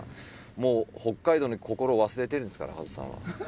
もう北海道の心を忘れてるんですから加藤さんは。